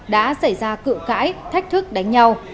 đã xảy ra cựu cãi thách thức đánh nhau